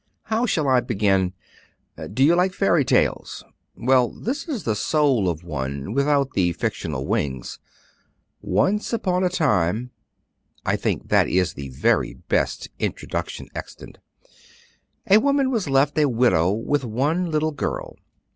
"How shall I begin? Do you like fairy tales? Well, this is the soul of one without the fictional wings. Once upon a time, I think that is the very best introduction extant, a woman was left a widow with one little girl.